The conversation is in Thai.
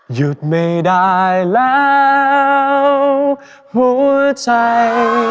หยุดไม่ได้แล้วหัวใจ